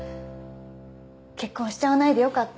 結婚しちゃわないでよかった。